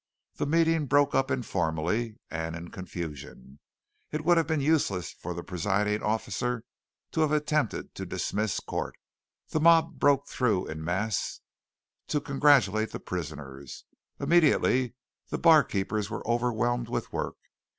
The meeting broke up informally and in confusion. It would have been useless for the presiding officer to have attempted to dismiss court. The mob broke through en masse to congratulate the prisoners. Immediately the barkeepers were overwhelmed with work.